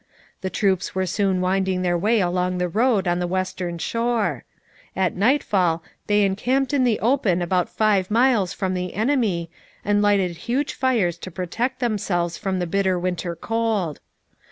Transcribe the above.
The troops were soon winding their way along the road on the western shore. At nightfall they encamped in the open about five miles from the enemy, and lighted huge fires to protect themselves from the bitter winter cold.